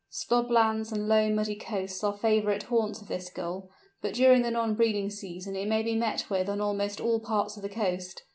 Slob lands and low muddy coasts are favourite haunts of this Gull, but during the non breeding season it may be met with on almost all parts of the coast.